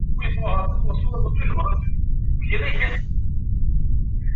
索头部各酋长在这次政变中死亡者有数十人之多。